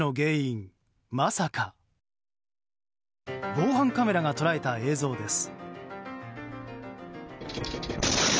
防犯カメラが捉えた映像です。